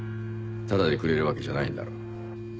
ただでくれるわけじゃないんだろう？